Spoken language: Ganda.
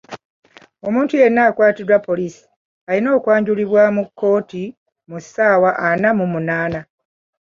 Omuntu yenna akwatiddwa poliisi alina okwanjulibwa mu kkooti mu ssaawa ana mu munaana.